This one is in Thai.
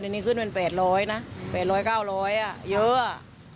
เดี๋ยวนี้ขึ้นเป็นแปดร้อยนะแปดร้อยเก้าร้อยเยอะ